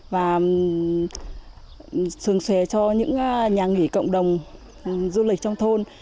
và sường xòe cho những nhà nghỉ cộng đồng du lịch trong thôn